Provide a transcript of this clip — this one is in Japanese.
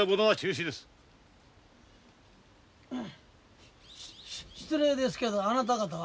し失礼ですけどあなた方は？